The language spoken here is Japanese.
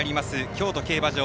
京都競馬場。